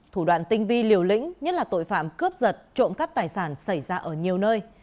thủ đoạn tinh vi liều lĩnh nhất là tội phạm cướp giật trộm cắp tài sản xảy ra ở nhiều nơi